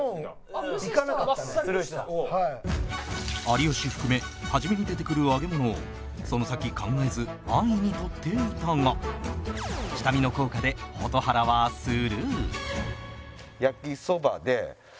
有吉含め初めに出てくる揚げ物をその先考えず安易に取っていたが下見の効果で焼きそばで。